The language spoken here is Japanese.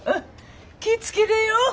気ぃ付けてよ。